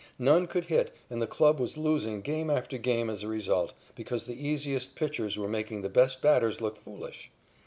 None could hit, and the club was losing game after game as a result, because the easiest pitchers were making the best batters look foolish.